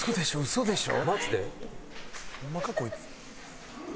嘘でしょ？